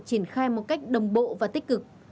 triển khai một cách đồng bộ và tích cực